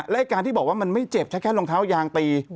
และการที่บอกว่ามันไม่เจ็บแค่รองเท้ายางตี